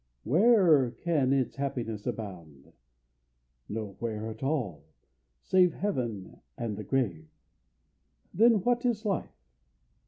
where can its happiness abound? No where at all, save heaven, and the grave. Then what is Life?